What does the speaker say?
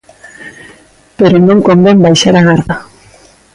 Pero non convén baixar a garda.